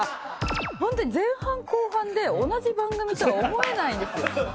ホントに前半後半で同じ番組とは思えないんですよ。